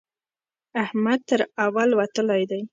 احمد تر اول وتلی دی.